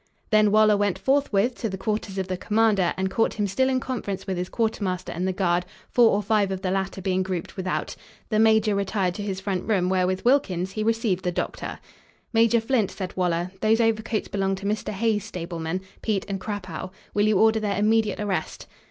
Then Waller went forthwith to the quarters of the commander and caught him still in conference with his quartermaster and the guard, four or five of the latter being grouped without. The major retired to his front room, where, with Wilkins, he received the doctor. "Major Flint," said Waller, "those overcoats belong to Mr. Hay's stablemen, Pete and Crapaud. Will you order their immediate arrest?"